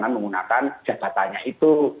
menggunakan jabatannya itu